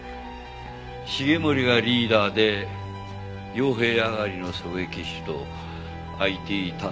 繁森がリーダーで傭兵上がりの狙撃手とＩＴ担当のメカニック。